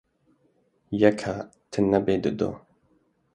Yeka te nebe didu.